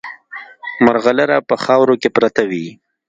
مرغلره په خاورو کې پرته وي.